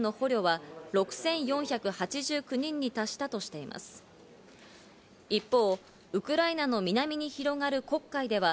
また拘束したウクライナ軍の捕虜は６４８９人に達したとしています。